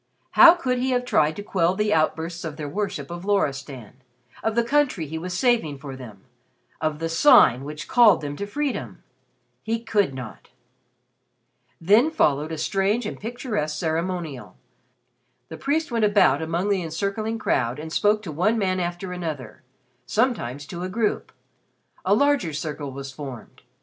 How could he have tried to quell the outbursts of their worship of Loristan of the country he was saving for them of the Sign which called them to freedom? He could not. Then followed a strange and picturesque ceremonial. The priest went about among the encircling crowd and spoke to one man after another sometimes to a group. A larger circle was formed.